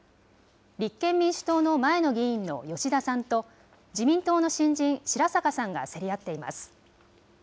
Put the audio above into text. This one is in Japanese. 立憲民主党の前の議員の吉田さんと、自民党の新人、白坂さんが競り合っています。